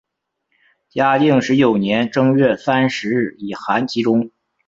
嘉靖十九年正月三十日以寒疾终。